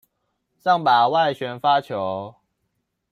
上吧，外旋發球